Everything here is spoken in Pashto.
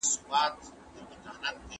د لېوه کور بې هډوکو نه وي.